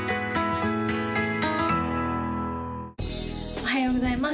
おはようございます